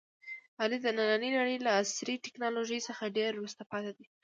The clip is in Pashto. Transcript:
علي د نننۍ نړۍ له عصري ټکنالوژۍ څخه ډېر وروسته پاتې دی.